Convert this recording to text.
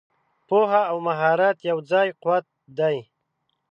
پوهه او مهارت یو ځای قوت دی.